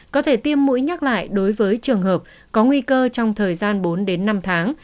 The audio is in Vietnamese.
có thể tiêm mũi nhắc lại đối với trường hợp có nguy cơ trong thời gian bốn đến năm tháng